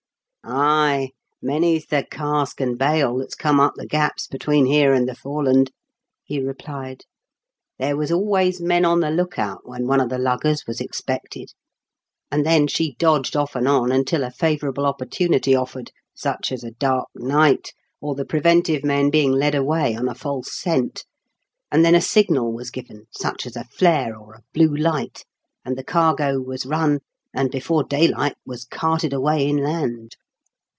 Ay, many's the cask and bale that's <jome up the gaps between here and the Fore land," he replied. *^ There was always men on the look out when one of the luggers was expected, and then she dodged off and on until a favourable opportunity offered, such as a dark night, or the preventive men being led away on a false scent, and then a signal was given, such as a flare or a blue light, and the cargo was run, and before daylight was carted away inland."